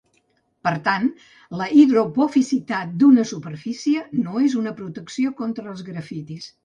Per tant, la hidrofobicitat d'una superfície no és una protecció contra els grafitis.